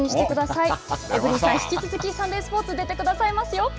エブリンさん、引き続きサンデースポーツに出てくださいますよ。